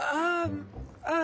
ああ。